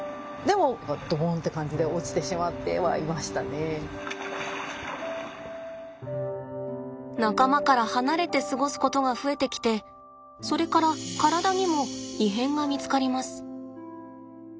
ここから入れるかどうかを仲間から離れて過ごすことが増えてきてそれから体にも異変が見つかります。